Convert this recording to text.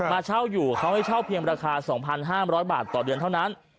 เช่าอยู่เขาให้เช่าเพียงราคา๒๕๐๐บาทต่อเดือนเท่านั้น